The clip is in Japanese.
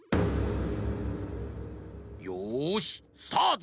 よしスタート！